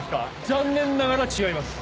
残念ながら違います。